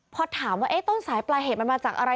พอถามว่าต้นสายปลายเหตุมันมาจากอะไร